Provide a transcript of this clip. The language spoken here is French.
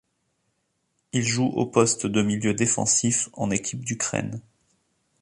Il joue au poste de milieu défensif en équipe d'Ukraine.